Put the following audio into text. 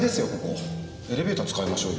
エレベーター使いましょうよ。